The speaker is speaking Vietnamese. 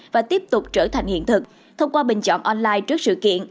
và tiếp tục trở thành hiện thực thông qua bình chọn online trước sự kiện